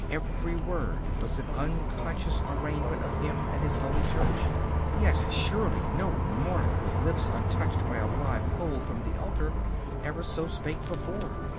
every word was an unconscious arraignment of Him and His Holy Church; yet surely no mortal with lips untouched by a live coal from the altar ever so spake before!